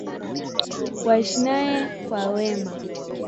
waishi naye kwa wema